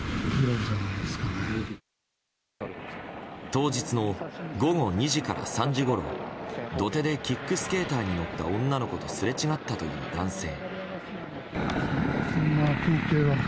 当日の午後２時から３時ごろ土手でキックスケーターに乗った女の子とすれ違ったという男性。